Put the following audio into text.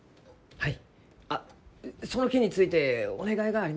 はい。